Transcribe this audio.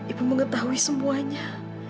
ibu mengetahui semuanya